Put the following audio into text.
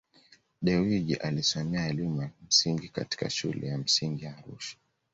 Dewji Alisomea elimu ya msingi katika shule ya msingi ya Arusha